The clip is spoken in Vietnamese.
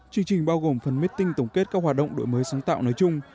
chương trình bao gồm phần meting tổng kết các hoạt động đổi mới sáng tạo nói chung